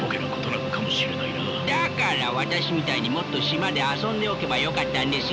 だから私みたいにもっと島で遊んでおけばよかったんですよ。